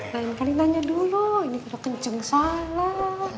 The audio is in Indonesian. lain kali tanya dulu ini perlu kenceng soalnya